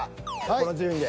この順位で。